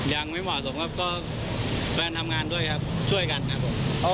ยังไม่เหมาะสมครับก็แฟนทำงานด้วยครับช่วยกันครับผม